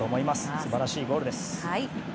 素晴らしいゴールです。